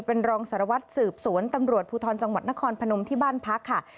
เป็นรองสารวัตรสืบสวนตำรวจภูทรจังหวัดนครพนมที่บ้านพักค่ะ